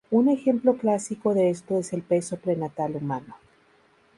Un ejemplo clásico de esto es el peso prenatal humano.